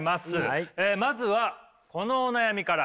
まずはこのお悩みから。